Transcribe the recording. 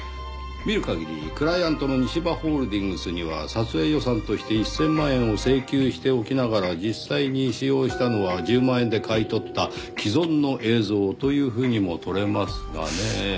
見る限りクライアントの西葉ホールディングスには撮影予算として１０００万円を請求しておきながら実際に使用したのは１０万円で買い取った既存の映像というふうにもとれますがねぇ。